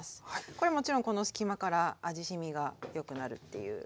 これもちろんこの隙間から味しみがよくなるっていう効果もあります。